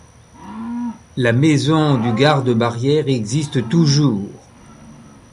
La maison de garde-barrière existe toujours.